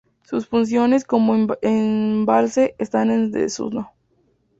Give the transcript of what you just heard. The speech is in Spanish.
Sus funciones como embalse están en desuso.